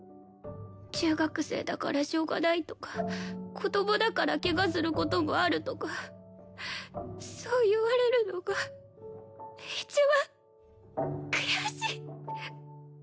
中学生だからしょうがないとか子供だからケガする事もあるとかそう言われるのが一番悔しい！